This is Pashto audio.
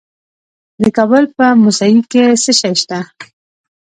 د کابل په موسهي کې څه شی شته؟